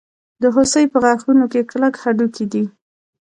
د هوسۍ په غاښونو کې کلک هډوکی دی.